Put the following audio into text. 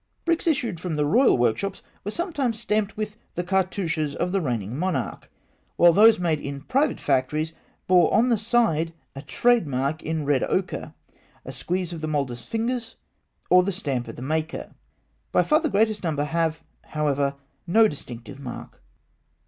Bricks issued from the royal workshops were sometimes stamped with the cartouches of the reigning monarch; while those made in private factories bore on the side a trade mark in red ochre, a squeeze of the moulder's fingers, or the stamp of the maker. By far the greater number have, however, no distinctive mark.